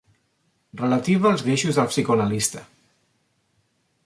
Relativa als greixos del psicoanalista.